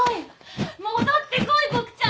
戻ってこいボクちゃん！